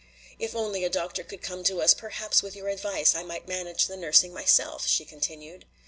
"If only a doctor could come to us, perhaps with your advice I might manage the nursing myself," she continued.